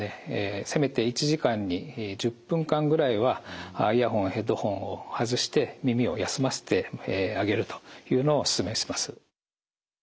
せめて１時間に１０分間ぐらいはイヤホン・ヘッドホンを外して耳を休ませてあげるというのをお勧めします。